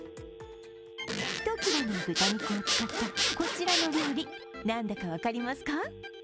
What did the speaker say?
１切れの豚肉を使ったこちらの料理、何だか分かりますか？